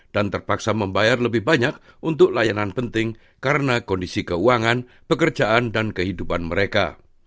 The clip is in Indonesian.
dan terpaksa membayar lebih banyak untuk layanan penting karena kondisi keuangan pekerjaan dan kehidupan mereka